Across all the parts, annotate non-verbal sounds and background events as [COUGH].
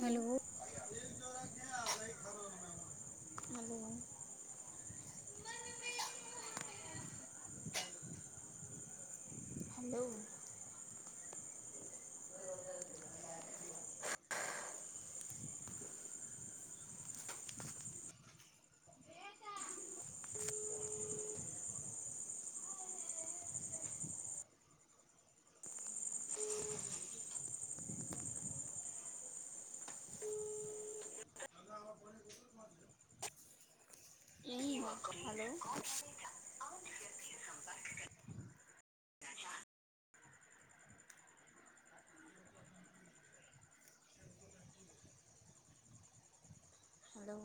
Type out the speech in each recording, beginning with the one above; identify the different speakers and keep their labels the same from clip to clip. Speaker 1: hello
Speaker 2: hello hello यही है hello
Speaker 1: [UNINTELLIGIBLE]
Speaker 2: hello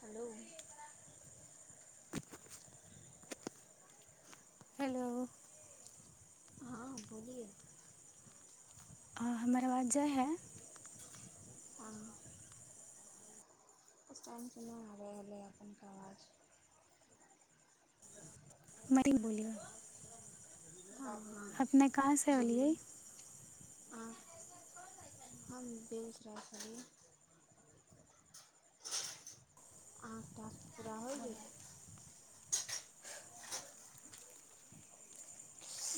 Speaker 2: hello
Speaker 1: hello
Speaker 2: हँ बोलिए
Speaker 1: आ हमर आवाज जाइ है
Speaker 2: आ उस टाइम सँ ना आरहले है अपन के आवाज
Speaker 1: मे बोलियौ
Speaker 2: हँ हँ
Speaker 1: अपने कहाँ सँ होलियै
Speaker 2: आँ हम बेगूसराय छलै आ टास्क पूरा होइ गेल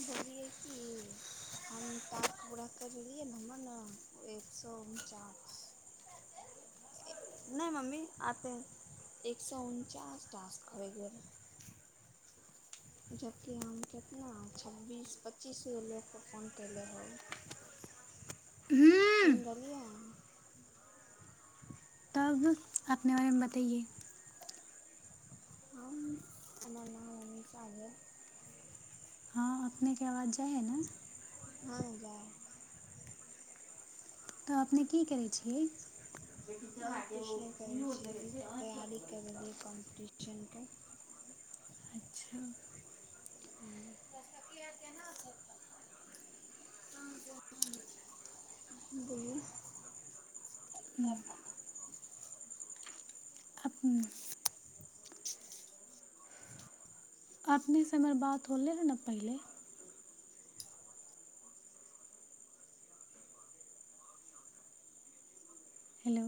Speaker 2: बोललि ये कि हम टास्क पूरा करि रहिै ने हमर ने एक सए उनचास नहि मम्मी आते एक सए उनचास नै मम्मी अते है टास्क होै गेल रहै जबकि हम केितना छब्बीस पच्चीस ग लोकोके फोन कयले हो
Speaker 1: हूँ
Speaker 2: सूइन लेलिया
Speaker 1: तब अपने बारे मे बताइए
Speaker 2: हम हम्मर नाम उमिशा भेल
Speaker 1: अपने के आवाज जाइ हइ ने
Speaker 2: हँ जाऽ
Speaker 1: तऽ अपने की करै छियै
Speaker 2: आब किछु नहि करै छियै तैयारी करै रियै कम्पीटिशनके
Speaker 1: अच्छा
Speaker 2: बोलिए
Speaker 1: ह्म अपब अपनेसँ हमर बात होलै हँ ने पहिले हेलो